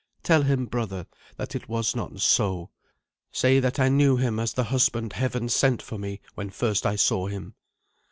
Tell him, brother, that it was not so; say that I knew him as the husband Heaven sent for me when first I saw him."